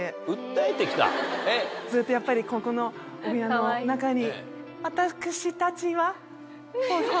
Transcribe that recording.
ずっとやっぱりここのお部屋の中に。